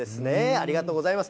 ありがとうございます。